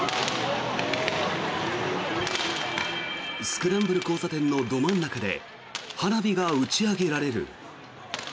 スクランブル交差点のど真ん中で花火が打ち上げられる。